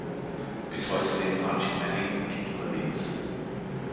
Bis heute lebt Archie Manning in New Orleans.